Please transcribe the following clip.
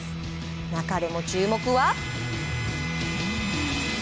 中でも注目は。